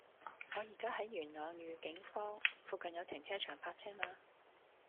我依家喺元朗裕景坊，附近有停車場泊車嗎